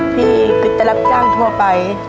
พี่ก็จะรับจ้างทั่วไป